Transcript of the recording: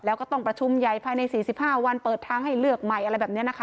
แล้วก็ต้องประชุมยัยภายในสี่สิบห้าวันเปิดทางให้เลือกใหม่อะไรแบบเนี้ยนะคะ